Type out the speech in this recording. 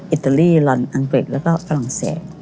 อิตาลีลอนอังกฤษแล้วก็ฝรั่งเศส